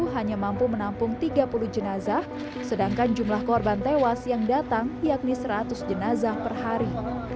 hanya mampu menampung tiga puluh jenazah sedangkan jumlah korban tewas yang datang yakni seratus jenazah per hari